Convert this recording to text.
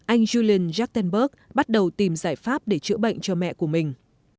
anh julian jaktenberg bắt đầu tìm giải pháp để chữa bệnh cho mẹ của mình